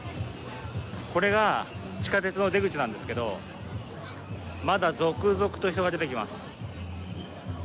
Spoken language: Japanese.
これが地下鉄の出口なんですけどまだ続々と人が出てきます。